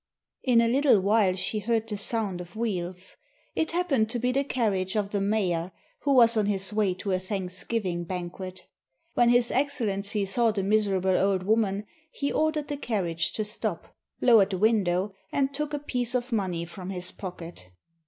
In a little while she heard the sound of wheels. It happened to be the carriage of the mayor, who was on his way to a Thanksgiving banquet. When his excellency saw the miserable old woman, he ordered the carriage to stop, lowered the window, and took a piece of money from his pocket.